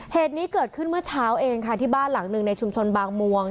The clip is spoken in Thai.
เหตุนี้เกิดขึ้นเมื่อเช้าเองค่ะที่บ้านหลังหนึ่งในชุมชนบางมวง